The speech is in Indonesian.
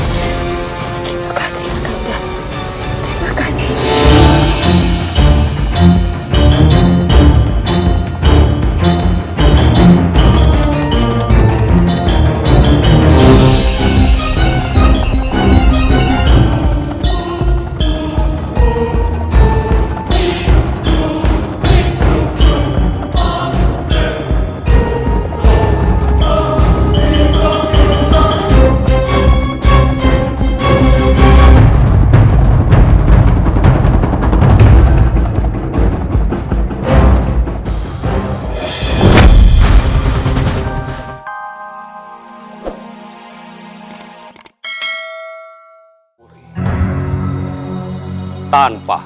terima kasih aganda terima kasih